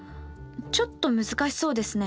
ちょっと難しそうですね。